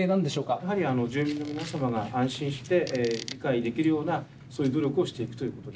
やはり住民の皆様が安心して理解できるようなそういう努力をしていくということで。